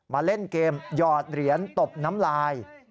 มาเล่นเกมหยอดเหรียญตบน้ำลาย